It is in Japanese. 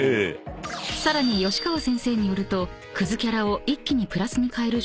［さらに吉川先生によると］